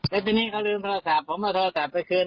แล้วทีนี้เขาลืมโทรศัพท์ผมเอาโทรศัพท์ไปคืน